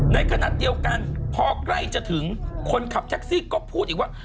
ในขณะเดียวกันพอใกล้จะถึงคนขับแท็กซี่ก็พูดอีกว่า